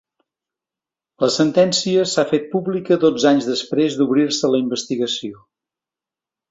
La sentència s’ha fet pública dotze anys després d’obrir-se la investigació.